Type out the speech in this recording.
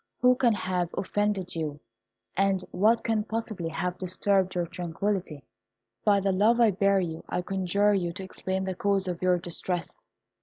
Who can have offended you, and what can possibly have disturbed your tranquillity? By the love I bear you, I conjure you to explain the cause of your distress.